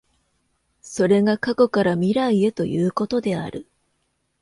それが過去から未来へということである。